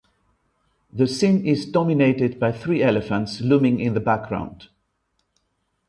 The scene is dominated by three elephants looming in the background.